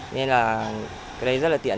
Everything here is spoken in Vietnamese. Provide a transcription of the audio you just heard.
nên là cái đấy rất là tiện